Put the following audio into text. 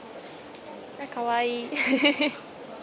かわいい。